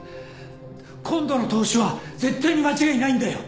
今度の投資は絶対に間違いないんだよ。